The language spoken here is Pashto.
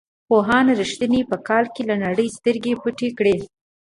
پوهاند رښتین په کال کې له نړۍ سترګې پټې کړې.